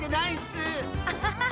アハハハ！